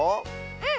うん。